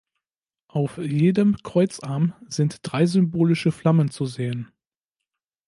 Auf jedem Kreuzarm sind drei symbolische Flammen zu sehen.